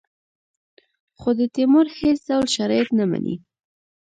خو د تیمور هېڅ ډول شرایط نه مني.